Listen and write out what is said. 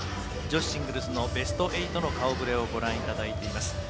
女子シングルスのベスト８の顔ぶれをご覧いただいています。